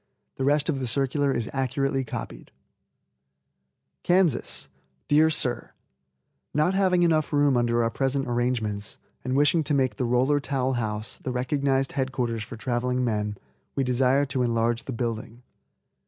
The rest of the circular is accurately copied: KANSAS. Dear Sir: Not having enough room under our present arrangements, and wishing to make the Roller Towel House the recognized head quarters for traveling men, we desire to enlarge the building.